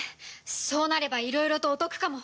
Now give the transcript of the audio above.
そうなればいろいろとお得かも。